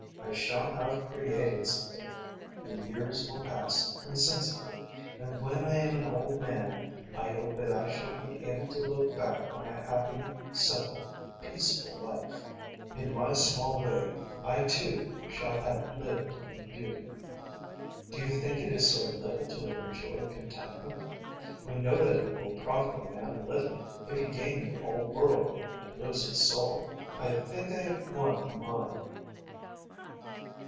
I shall have created something. The years will pass insensibly, and when I am an old man I hope that I shall be able to look back on a happy, simple, peaceful life. In my small way I too shall have lived in beauty. Do you think it is so little to have enjoyed contentment? We know that it will profit a man little if he gain the whole world and lose his soul. I think I have won mine."